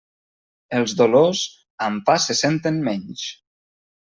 Els dolors, amb pa se senten menys.